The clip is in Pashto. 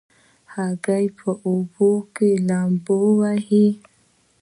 هیلۍ په اوبو کې لامبو وهي